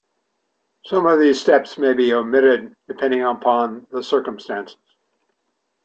Some of these steps may be omitted, depending upon the circumstances.